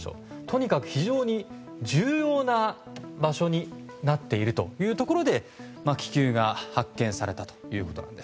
とにかく非常に重要な場所になっているというところで気球が発見されたということなんです。